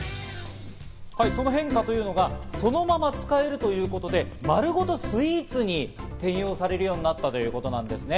その変化というのが、そのまま使えるということで、丸ごとスイーツに転用されようになったということです。